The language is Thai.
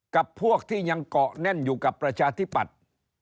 กับพวกที่ยังเกาะแน่นอยู่กับประชาธิปัตย์